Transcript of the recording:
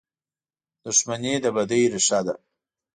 • دښمني د بدۍ ریښه ده.